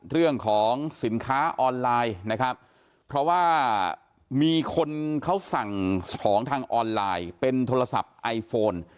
เรื่องของสินค้าออนไลน์นะครับเพราะว่ามีคนเขาสั่งของทางออนไลน์เป็นโทรศัพท์ไอโฟน